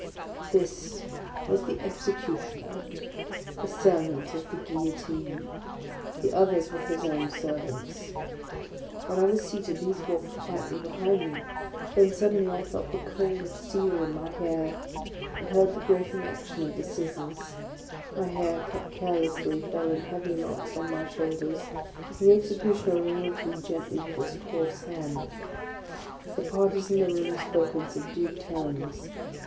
This was the Executioner, — the servant of the Guillotine; the others were his own servants. When I was seated, these walked quietly behind me; then suddenly I felt the cold of steel in my hair, and heard the grating action of scissors. My hair, cut carelessly, fell in heavy locks on my shoulders, and the executioner removed them gently with his coarse hand. The parties in the room spoke in subdued tones.